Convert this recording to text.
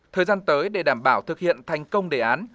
thời gian tới để đảm bảo thực hiện thành công đề án